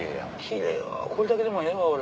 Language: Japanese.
奇麗これだけでもええわ俺。